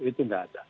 itu nggak ada